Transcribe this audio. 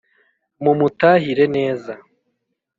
mumutahire neza